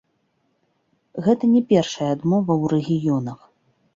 Гэта не першая адмова ў рэгіёнах.